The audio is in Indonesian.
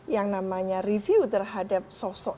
yang namanya review terhadap sosok